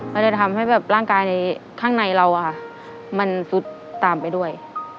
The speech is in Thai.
จะทำให้แบบร่างกายในข้างในเรามันซุดตามไปด้วย